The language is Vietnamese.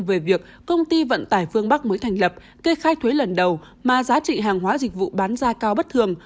về việc công ty vận tải phương bắc mới thành lập kê khai thuế lần đầu mà giá trị hàng hóa dịch vụ bán ra cao bất thường